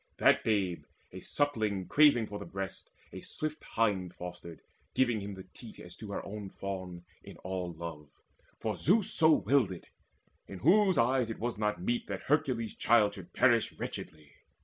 That babe, a suckling craving for the breast, A swift hind fostered, giving him the teat As to her own fawn in all love; for Zeus So willed it, in whose eyes it was not meet That Hercules' child should perish wretchedly.